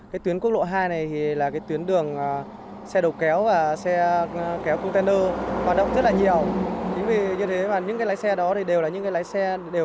cái tuyến quốc lộ hai này thì là cái tuyến đường xe đầu kéo và xe kéo container hoạt động rất là nhiều